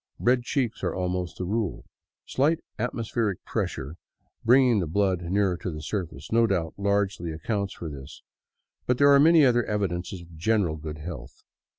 Red cheeks are almost the rule. Slight atmospheric pressure, bringing the blood nearer the surface, no doubt largely accounts for this, but there are many other evidences of general good health.